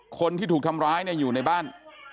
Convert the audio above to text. คนที่ถูกทำร้ายอยู่ในบ้าน